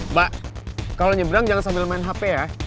mbak kalau nyebrang jangan sambil main hp ya